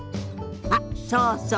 あっそうそう。